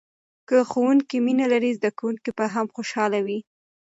که ښوونکی مینه لري، زده کوونکی به هم خوشحاله وي.